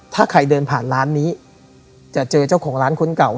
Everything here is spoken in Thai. ถ้าใครเดินผ่านร้านนี้จะเจอเจ้าของร้านคนเก่า